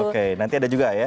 oke nanti ada juga ya